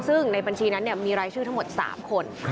ซึ่งในบัญชีนั้นมีรายชื่อทั้งหมด๓คน